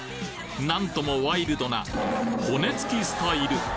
なんともワイルドな骨付きスタイル